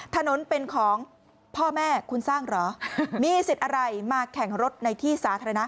ถนนเป็นของพ่อแม่คุณสร้างเหรอมีสิทธิ์อะไรมาแข่งรถในที่สาธารณะ